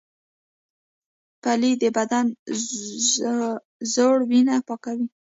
پلی د بدن زوړ وینه پاکوي